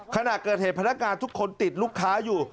ขณะเกิดเหตุพนักงานทุกคนติดลูกค้าอยู่